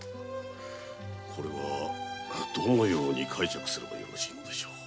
これは一体どのように解釈すればいいのでしょう。